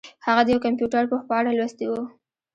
هغه د یو کمپیوټر پوه په اړه لوستي وو